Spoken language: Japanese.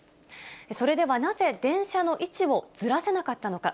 それではなぜ、電車の位置をずらせなかったのか。